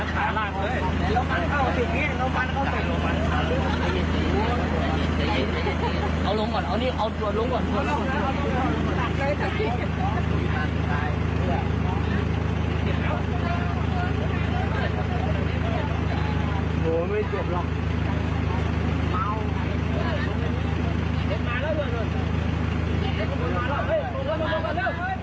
โหไม่เกือบหรอก